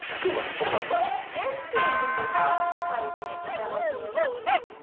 メッセージとか書いていただければ。